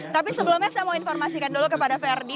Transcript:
tapi sebelumnya saya mau informasikan dulu kepada verdi